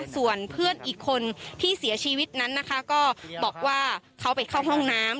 ส่วนเพื่อนอีกคนที่เสียชีวิตนั้นนะคะก็บอกว่าเขาไปเข้าห้องน้ำ